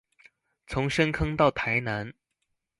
從深坑到台南